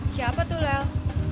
siapa tuh lel